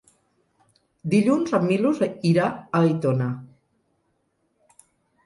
Dilluns en Milos irà a Aitona.